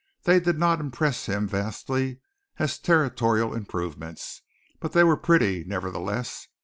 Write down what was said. They did not impress him vastly as territorial improvements, but they were pretty, nevertheless.